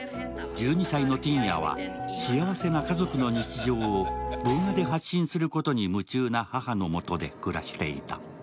１２歳のティンヤは幸せな家族の日常を動画で発信することに夢中な母のもとで暮らしていた。